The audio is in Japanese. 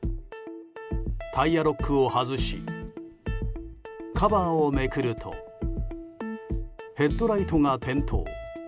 タイヤロックを外しカバーをめくるとヘッドライトが点灯。